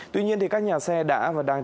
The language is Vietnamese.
tuy nhiên thì các nhà xe đã và đang